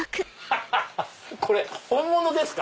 これ本物ですか？